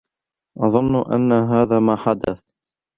أظنّ أن هذا ما حدث.